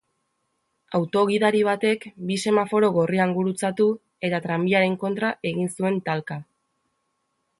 Auto gidari batek bi semaforo gorrian gurutzatu eta tranbiaren kontra egin zuen talka.